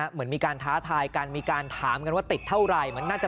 เหมือนมีการท้าทายกันมีการถามกันว่าติดเท่าไหร่